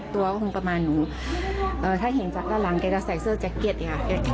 ถ้าเห็นจากด้านหลังมีใส่เสื้อแจ็คเก็ตอย่างงี้ค่ะ